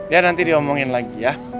ya nanti diomongin lagi ya